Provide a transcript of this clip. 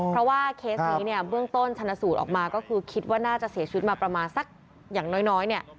เพราะว่าเคสนี้เนี่ยเบื้องต้นชนะสูตรออกมาก็คือคิดว่าน่าจะเสียชีวิตมาประมาณสักอย่างน้อยเนี่ย